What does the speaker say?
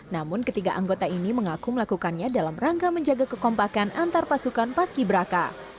namun ketiga anggota ini mengaku melakukannya dalam rangka menjaga kekompakan antar pasukan paski braka